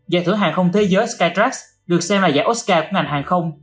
giải thưởng hàng không thế giới skytrax được xem là giải oscar của ngành hàng không